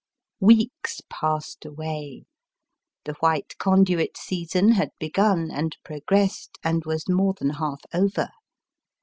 Weeks passed away ; the White Conduit season had begun, and progressed, and was more than half over.